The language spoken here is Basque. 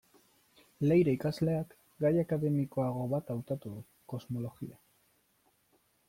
Leire ikasleak, gai akademikoago bat hautatu du: kosmologia.